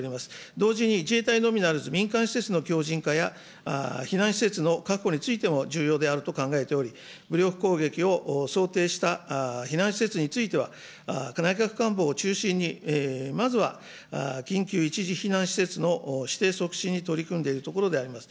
同時に自衛隊のみならず、民間施設の強じん化や、避難施設の確保についても重要であると考えており、武力攻撃を想定した避難施設については、内閣官房を中心に、まずは緊急一時避難施設の指定促進に取り組んでいるところであります。